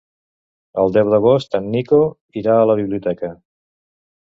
El deu d'agost en Nico irà a la biblioteca.